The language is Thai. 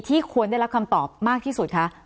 ควรได้รับคำตอบมากที่สุดคะ